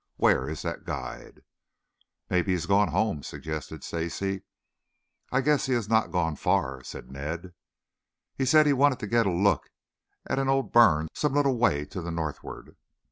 "Where is that guide?" "Maybe he has gone home," suggested Stacy. "I guess he has not gone far," said Ned. "He said he wanted to get a look at an old burn some little way to the northward."